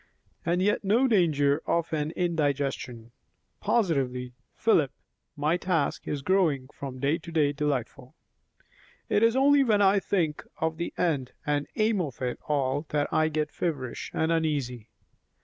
And yet no danger of an indigestion. Positively, Philip, my task is growing from day to day delightful; it is only when I think of the end and aim of it all that I get feverish and uneasy.